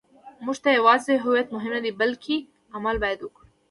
موږ ته یوازې هویت مهم نه دی، بلکې عمل باید وکړو.